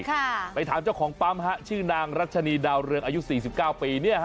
ไปถามเจ้าของปั๊มฮะชื่อนางรัชนีดาวเรืองอายุสี่สิบเก้าปีเนี่ยฮะ